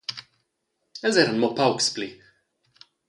Els eran mo paucs pli.